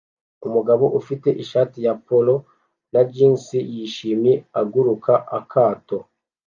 Umugabo ufite ishati ya polo na jans yishimye aguruka akato